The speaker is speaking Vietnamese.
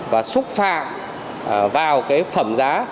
và xúc phạm vào cái phẩm giá